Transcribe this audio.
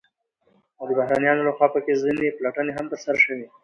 او د بهرنيانو لخوا په كې ځنې پلټنې هم ترسره شوې،